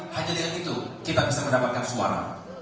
hanya dengan itu kita bisa mendapatkan suara